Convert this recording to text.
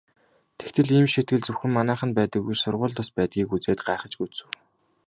Тэгтэл ийм шийтгэл зөвхөн манайханд байдаг биш сургуульд бас байдгийг үзээд гайхаж гүйцэв.